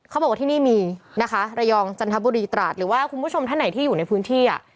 เขาบอกว่าที่นี่มีนะคะระยองจันทบุรีตราดหรือว่าคุณผู้ชมท่านไหนที่อยู่ในพื้นที่อ่ะ